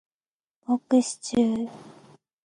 ポークシチュー